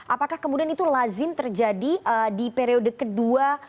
apakah kemudian itu lazim terjadi di periode kedua